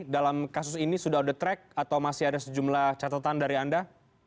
dalam kasus ini sudah on the track atau masih ada sejumlah catatan dari anda